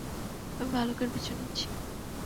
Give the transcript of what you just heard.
আমি ভালুকের পিছু নিচ্ছি।